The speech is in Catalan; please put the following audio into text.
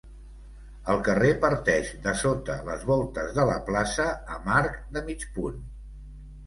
El carrer parteix de sota les voltes de la plaça, amb arc de mig punt.